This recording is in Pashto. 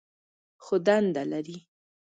خو دنده لري.